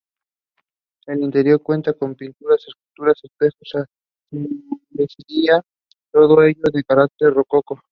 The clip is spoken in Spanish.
El interior cuenta con pinturas, esculturas, espejos y azulejería, todo ello de carácter rococó.